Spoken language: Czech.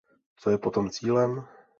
Co je potom cílem?